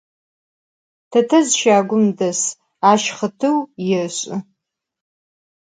Tetezji şagum des, aş xhıtıu yêş'ı.